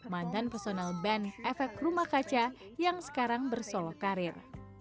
mantan personal band efek rumah kaca yang sekarang bersolok karir